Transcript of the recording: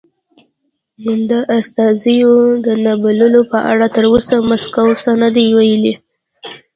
د استازیو د نه بللو په اړه تر اوسه مسکو څه نه دې ویلي.